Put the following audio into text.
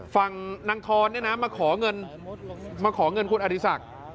ฝั่งนางทอนเนี่ยนะมาขอเงินมาขอเงินคุณอดีศักดิ์